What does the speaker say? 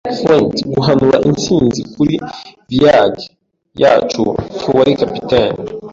Flint guhanura intsinzi kuri v'yage yacu. Ntiwari cap'n? ”